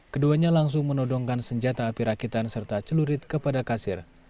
keduanya langsung menodongkan senjata api rakitan serta celurit kepada kasir